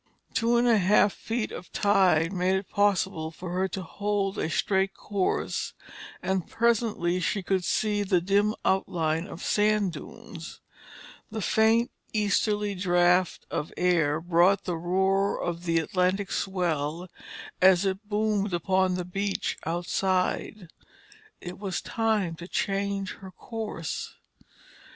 The two and a half feet of tide made it possible for her to hold a straight course and presently she could see the dim outline of sand dunes. The faint easterly draft of air brought the roar of the Atlantic swell as it boomed upon the beach outside. It was time to change her course.